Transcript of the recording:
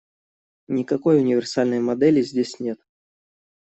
Никакой универсальной модели здесь нет.